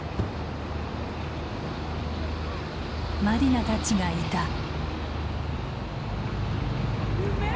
マディナたちがいた。